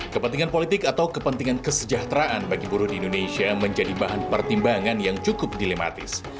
kepentingan politik atau kepentingan kesejahteraan bagi buruh di indonesia menjadi bahan pertimbangan yang cukup dilematis